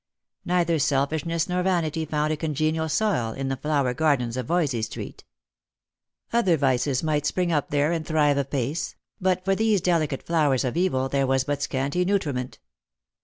Neither selfishness nor vanity found a congenial soil in the flower gardens of Voysey street. Other vices might spring up there and thrive apace ; but for these delicate flowers of evil there was but scanty nutriment.